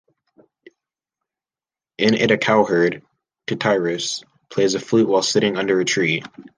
In it a cowherd, Tityrus, plays a flute while sitting under a tree.